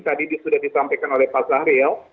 tadi sudah disampaikan oleh pak sahril